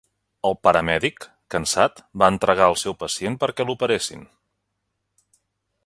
El paramèdic, cansat, va entregar el seu pacient perquè l'operessin.